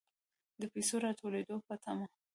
د پیسو راتوېدلو په طمع.